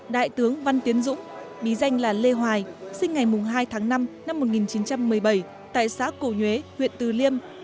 đại tướng văn tiến dũng bí danh là lê hoài sinh ngày hai tháng năm năm một nghìn chín trăm một mươi bảy tại xã cổ nhuế huyện từ liêm